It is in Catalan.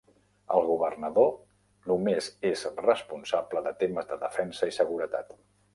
El Governador només és responsable de temes de defensa i seguretat.